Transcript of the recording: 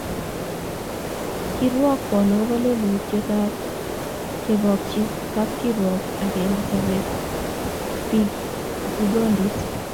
Kirwokwok agobo lelutietab kebokchi kapkirwok ak kende sobetab bik ngoiyondit